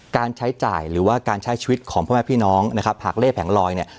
การใช้จ่ายหรือว่าการใช้ชีวิตของพ่อแม่พี่น้องนะครับหากเล่แผงลอยเนี่ย